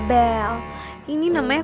bel ini namanya